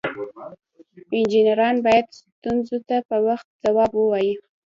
انجینران باید ستونزو ته په وخت ځواب ووایي.